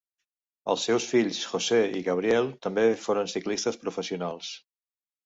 Els seus fills José i Gabriel també foren ciclistes professionals.